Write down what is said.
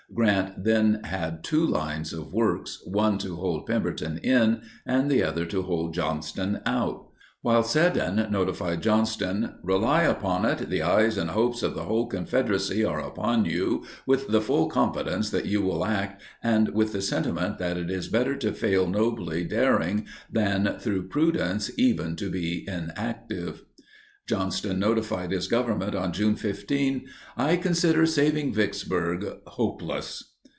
Grant then had two lines of works, one to hold Pemberton in, the other to hold Johnston out. While Seddon notified Johnston "Rely upon it, the eyes and hopes of the whole Confederacy are upon you, with the full confidence that you will act, and with the sentiment that it is better to fail nobly daring, than, through prudence even, to be inactive," Johnston notified his government on June 15 "I consider saving Vicksburg hopeless."